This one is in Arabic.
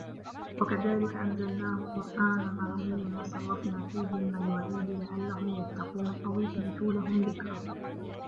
وَكَذَلِكَ أَنْزَلْنَاهُ قُرْآنًا عَرَبِيًّا وَصَرَّفْنَا فِيهِ مِنَ الْوَعِيدِ لَعَلَّهُمْ يَتَّقُونَ أَوْ يُحْدِثُ لَهُمْ ذِكْرًا